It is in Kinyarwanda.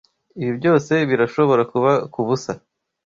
Ibi byose birashobora kuba kubusa.